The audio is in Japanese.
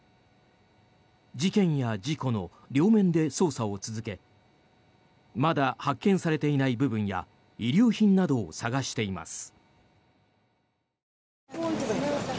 事件や事故の両面で捜査を続けまだ発見されていない部分や遺留品などを探しています。